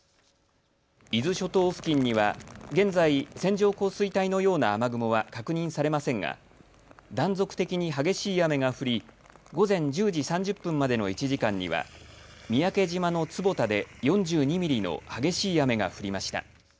伊豆諸島付近には現在線状降水帯のような雨雲は確認されませんが断続的に激しい雨が降り午前１０時３０分までの１時間には、三宅島の坪田で４２ミリの激しい雨が降りました。